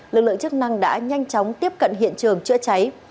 lực lượng chức năng đã nhanh chóng tiếp cận hiện trường chữa cháy